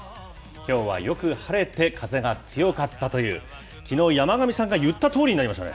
きょうはよく晴れて風が強かったという、きのう、山神さんが言ったとおりになりましたね。